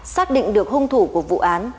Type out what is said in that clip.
xác định được hung thủ của vụ án